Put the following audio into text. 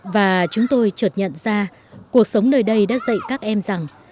và chúng tôi trợt nhận ra cuộc sống nơi đây đã dạy các em rằng